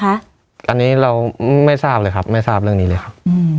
อันนี้เราไม่ทราบเลยครับไม่ทราบเรื่องนี้เลยครับ